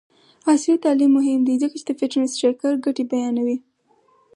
عصري تعلیم مهم دی ځکه چې د فټنس ټریکر ګټې بیانوي.